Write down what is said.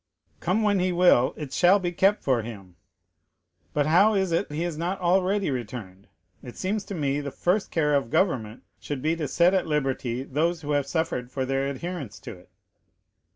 "Come when he will, it shall be kept for him. But how is it he is not already returned? It seems to me the first care of government should be to set at liberty those who have suffered for their adherence to it."